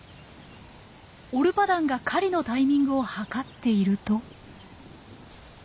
オルパダンが狩りのタイミングを計っていると。